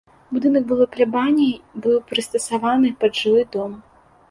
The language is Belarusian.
Будынак былой плябаніі быў прыстасаваны пад жылы дом.